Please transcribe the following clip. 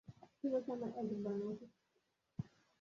তোমাকে আমার এজেন্ট বানানো উচিত।